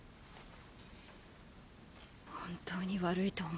本当に悪いと思ってる。